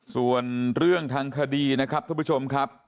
ส่วนเรื่องทางคดีนะครับท่านผู้ชมครับ